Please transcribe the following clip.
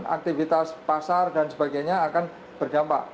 aktivitas pasar dan sebagainya akan berdampak